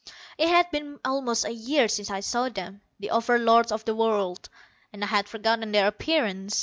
It had been almost a year since I saw them, the Over Lords of the World, and I had forgotten their appearance.